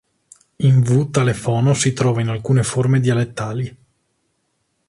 In wu tale fono si ritrova in alcune forme dialettali.